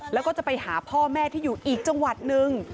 แล้วก็จะไปหาพ่อแม่ที่อยู่อีกจังหวัดนึง